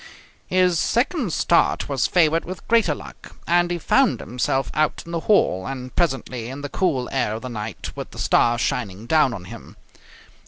His second start was favoured with greater luck, and he found himself out in the hall, and presently in the cool air of the night, with the stars shining down on him.